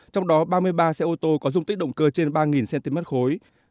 trong đó ba mươi ba xe ô tô có dung tích động cơ trên ba cm khối